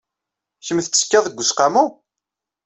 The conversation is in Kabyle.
Kemm tettekkad deg useqqamu?